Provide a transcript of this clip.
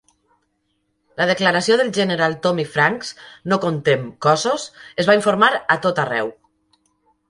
La declaració del general Tommy Franks "no comptem cossos" es va informar a tot arreu.